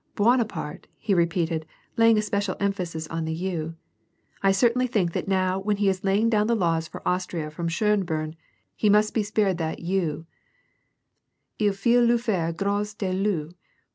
"Buonaparte," he repeated, laying a special emphasis on the u, " I certainly think that now when he is laying down the laws for Austria from Schoenbriinn, he must be spared thatu — ilfaut luifaire grace de Vu.